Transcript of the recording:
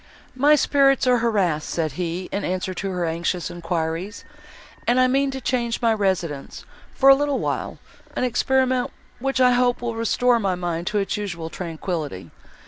"My spirits are harassed," said he, in answer to her anxious enquiries, "and I mean to change my residence, for a little while, an experiment, which, I hope, will restore my mind to its usual tranquillity.